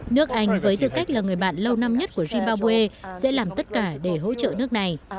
nước anh với tư cách là người bạn lâu năm nhất của zimbabwe sẽ làm tất cả để hỗ trợ nước này